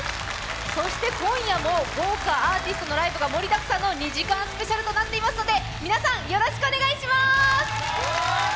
そして今夜も豪華アーティストが盛りだくさんの２時間スペシャルとなっていますので皆さん、よろしくお願いします！